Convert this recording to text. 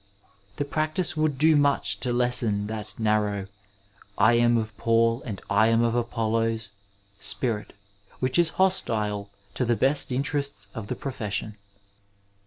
The practice would do much to lessen that narrow " I am of Paul and I am of ApoUos " spirit which is hostile to the best interests of the profession.